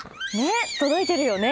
届いてるよね。